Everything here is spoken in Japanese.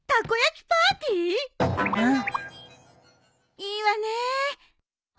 いいわねえ。